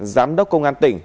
giám đốc công an tỉnh